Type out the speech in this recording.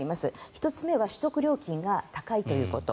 １つ目は取得料金が高いということ。